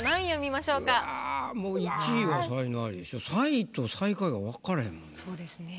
３位と最下位がわかれへんもんな。